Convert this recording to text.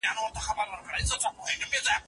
بد کار وغندئ.